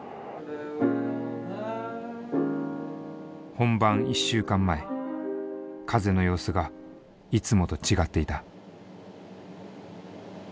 本番１週間前風の様子がいつもと違っていた。